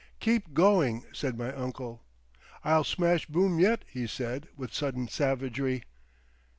"Keep going," said my uncle. "I'll smash Boom yet," he said, with sudden savagery.